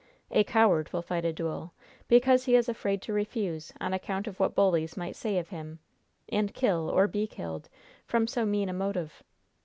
A coward will fight a duel, because he is afraid to refuse, on account of what bullies might say of him, and kill, or be killed, from so mean a motive.